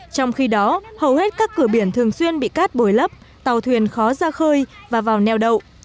trong khi đó hầu hết các cửa biển thường xuyên bị cát bồi lấp tàu thuyền khó ra khơi và vào neo đậu